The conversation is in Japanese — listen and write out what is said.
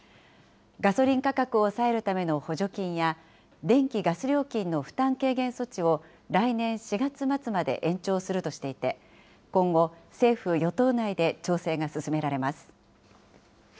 ガソリン価格を抑えるための補助金や、電気・ガス料金の負担軽減措置を来年４月末まで延長するとしていて、今後、政府・与党内で調整が進められます。